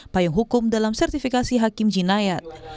payung hukum dalam sertifikasi hakim jinayat